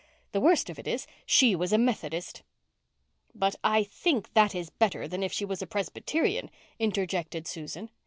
The worst of it is, she was a Methodist." "But I think that is better than if she was a Presbyterian," interjected Susan.